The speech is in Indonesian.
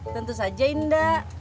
tentu saja indah